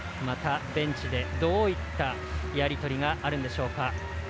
ベンチでどういったやり取りがあるんでしょうか。